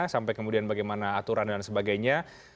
sampai kemudian bagaimana aturan dan sebagainya